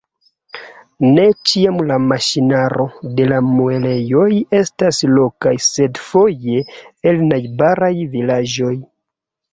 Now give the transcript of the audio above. Ne ĉiam la maŝinaro de la muelejoj estas lokaj, sed foje el najbaraj vilaĝoj.